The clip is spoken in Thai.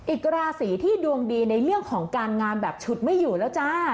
อีกราศีที่ดวงดีในเรื่องของการงานแบบฉุดไม่อยู่แล้วจ้า